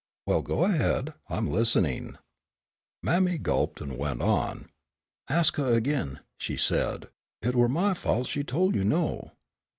"Well, go ahead, I'm listening." Mammy gulped and went on. "Ask huh ag'in," she said, "it were my fault she tol' you no.